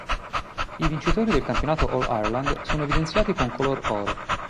I vincitori del campionato All-Ireland sono evidenziati con color oro.